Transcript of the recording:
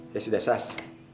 ya sudah sas